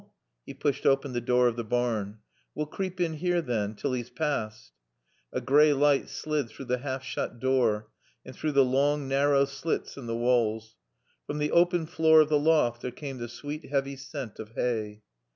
he pushed open the door of the barn. "Wae'll creep in here than, tall he's paassed." A gray light slid through the half shut door and through the long, narrow slits in the walls. From the open floor of the loft there came the sweet, heavy scent of hay.